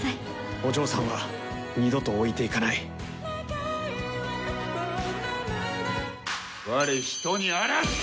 お嬢さんは二度と置いていかない我人にあらず！